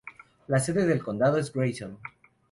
La sede de condado es Grayson.